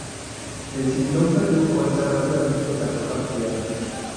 El ciclón perdió fuerza rápidamente tras tocar tierra.